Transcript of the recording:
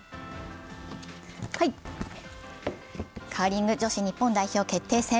カーリング女子日本代表決定戦。